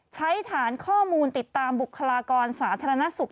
ใช้ฐานข้อมูลติดตามบุคลากรสาธารณสุข